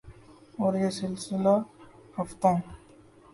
اور یہ سلسلہ ہفتوں